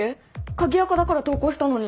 鍵アカだから投稿したのに！